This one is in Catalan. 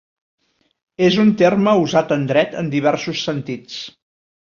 És un terme usat en dret en diversos sentits.